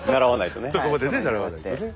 そこまでね倣わないとね。